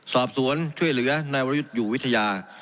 สอบสวนช่วยเหลือนายวรยุทธ์อยู่วิทยา